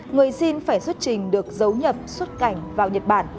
người xin phải xuất trình được giấu nhập xuất cảnh vào nhật bản